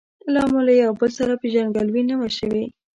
لا مو له یو او بل سره پېژندګلوي نه وه شوې.